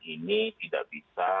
ini tidak bisa